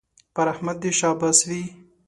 پر احمد دې شاباس وي